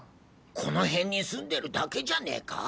この辺に住んでるだけじゃねえか？